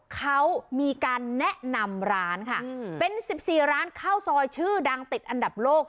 เขามีการแนะนำร้านค่ะเป็น๑๔ร้านข้าวซอยชื่อดังติดอันดับโลก